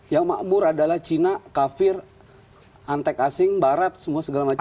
yang makmur adalah cina kafir antek asing barat semua segala macam